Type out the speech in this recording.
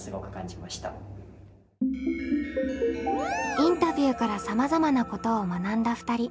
インタビューからさまざまなことを学んだ２人。